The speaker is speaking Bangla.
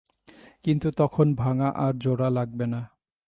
কিন্তু তখন ভাঙা আর জোড়া লাগবে না।